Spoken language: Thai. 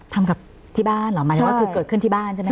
ทำกับที่บ้านเหรอหมายถึงว่าคือเกิดขึ้นที่บ้านใช่ไหมค